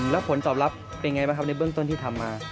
แล้วผลตอบรับเป็นไงบ้างครับในเบื้องต้นที่ทำมา